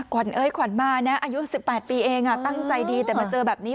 ขวัญเอ้ยขวัญมานะอายุ๑๘ปีเองตั้งใจดีแต่มาเจอแบบนี้